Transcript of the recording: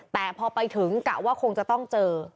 แต่พอไปถึงกะว่าคงจะต้องเจอ